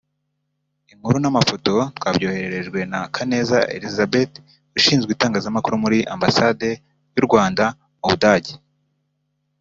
Inkuru n’amafoto twabyohererejwe na Kaneza Elisabeth Ushinzwe Itangazamakuru muri Ambasade y’u Rwanda mu Budage